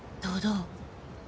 どう？